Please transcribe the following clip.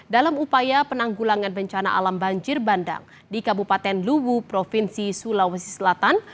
dalam upaya penanggulangan bencana alam banjir bandang di kabupaten luwu provinsi sulawesi selatan